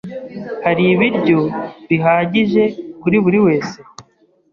Hari ibiryo bihagije kuri buri wese?